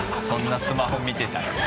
そんなスマホ見てたら。